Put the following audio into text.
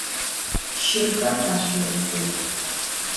Şırxer kheşsuuxhum!